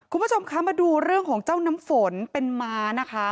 คุณผู้ชมคะมาดูเรื่องของเจ้าน้ำฝนเป็นม้านะคะ